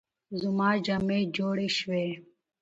زما جامې جوړې شوې؟